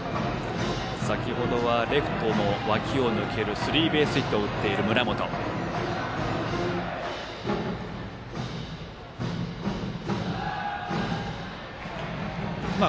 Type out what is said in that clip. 先程はレフトの脇を抜けるスリーベースヒットを打っている村本です。